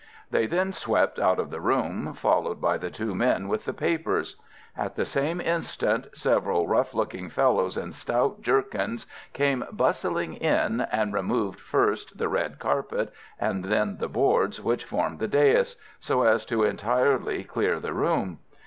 They then swept out of the room, followed by the two men with the papers. At the same instant several rough looking fellows in stout jerkins came bustling in and removed first the red carpet, and then the boards which formed the dais, so as to entirely clear the room.